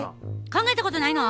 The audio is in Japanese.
考えたことないの？